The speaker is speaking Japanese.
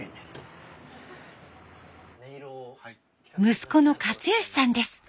息子の克佳さんです。